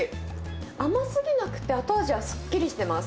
甘すぎなくて、後味はすっきりしてます。